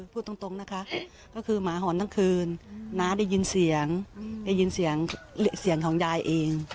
พูดตรงนะคะก็คือหมาหอนทั้งคืนน้าได้ยินเสียงได้ยินเสียงของยายเอง